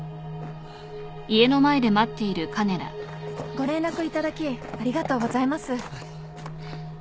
ご連絡いただきありがとうございます。